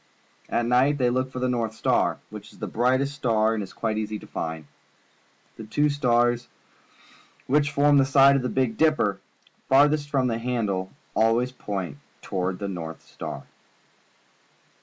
At night they look for the A'o) //i &iar, which is a very bright star and is quite easy to find. The two stars which form the side of the Big Dipper far thest from the handle always point toward the North Star.